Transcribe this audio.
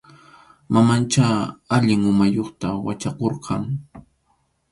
Mamanchá allin umayuqta wachakurqan.